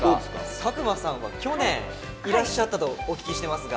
佐久間さんは去年いらっしゃったとお聞きしてますが。